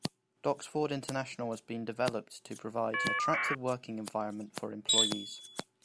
Doxford International has been developed to provide an attractive working environment for employees.